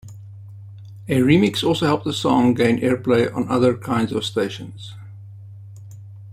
A remix also helped the song gain airplay on other kinds of stations.